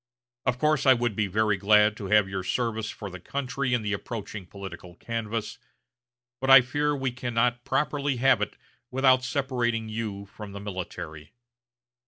Of course I would be very glad to have your service for the country in the approaching political canvass; but I fear we cannot properly have it without separating you from the military."